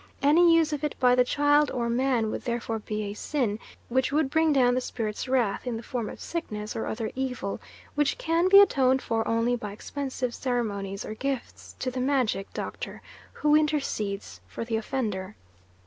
Any use of it by the child or man would therefore be a sin, which would bring down the spirit's wrath in the form of sickness or other evil, which can be atoned for only by expensive ceremonies or gifts to the magic doctor who intercedes for the offender."